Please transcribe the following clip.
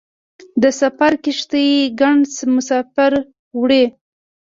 د سفر کښتۍ ګڼ مسافر وړي.